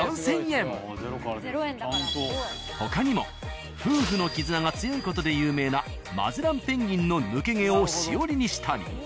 他にも夫婦の絆が強い事で有名なマゼランペンギンの抜け毛をしおりにしたり。